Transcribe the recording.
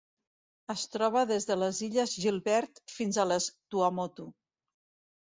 Es troba des de les Illes Gilbert fins a les Tuamotu.